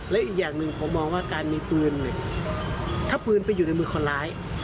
และอีกอย่างหนึ่งผมมองว่าการมีปืนเนี่ยถ้าปืนไปอยู่ในมือคนร้าย